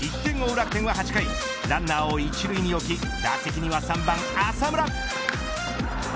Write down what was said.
楽天は８回ランナーを１塁に置き打席は３番、浅村。